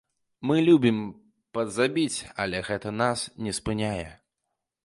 Мы любім падзабіць, але гэта нас не спыняе.